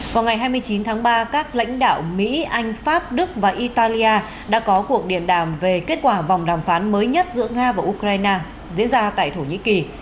vào ngày hai mươi chín tháng ba các lãnh đạo mỹ anh pháp đức và italia đã có cuộc điện đàm về kết quả vòng đàm phán mới nhất giữa nga và ukraine diễn ra tại thổ nhĩ kỳ